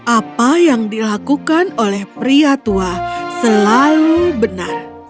apa yang dilakukan oleh pria tua selalu benar